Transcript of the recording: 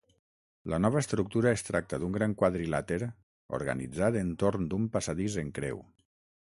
La nova estructura es tracta d'un gran quadrilàter organitzat entorn d'un passadís en creu.